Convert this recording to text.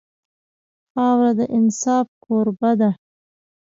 خاوره د انصاف کوربه ده.